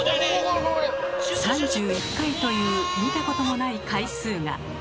３１回という見たこともない回数が。